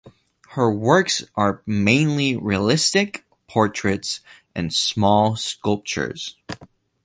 Her works are mainly realistic portraits and small sculptures.